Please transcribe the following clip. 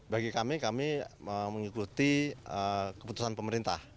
bagi kami kami mengikuti keputusan pemerintah